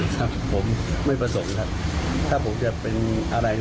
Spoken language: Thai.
ครับผมไม่ประสงค์ครับถ้าผมจะเป็นอะไร